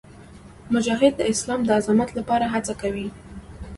مجاهد د اسلام د عظمت لپاره هڅه کوي.